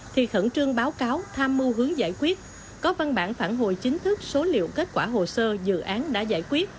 thì khẩn trương báo cáo tham mưu hướng giải quyết có văn bản phản hồi chính thức số liệu kết quả hồ sơ dự án đã giải quyết